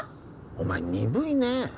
お前鈍いね。